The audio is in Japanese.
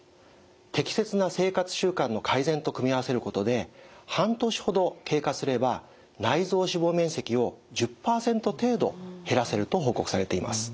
適切な生活習慣の改善と組み合わせることで半年ほど経過すれば内臓脂肪面積を１０％程度減らせると報告されています。